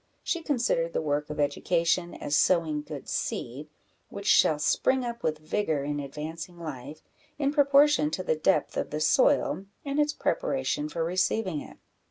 She considered the work of education as sowing good seed, which shall spring up with vigour in advancing life, in proportion to the depth of the soil and its preparation for receiving it.